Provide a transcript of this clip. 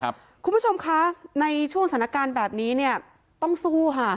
คุณผู้ชมคะในช่วงสถานการณ์แบบนี้เนี่ยต้องสู้ค่ะ